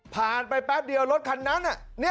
ผ่านไปแป๊บเดียวรถคันนั้น